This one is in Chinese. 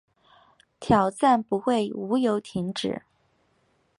挑战不会无由停止